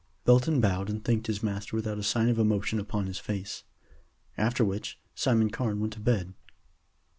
Belton bowed and thanked his master without a sign of emotion upon his face. After which Simon Carne went to bed.